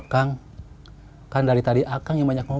kang kan dari tadi akang yang banyak ngomong